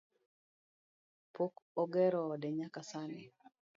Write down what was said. Pok ogero ode nyaka sani